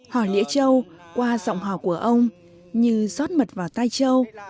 hò lĩa trâu qua giọng hò của ông như rót mật vào tay trâu